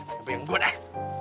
kebanyakan gua dah